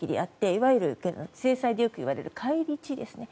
いわゆる制裁でよく言われる返り血ですね。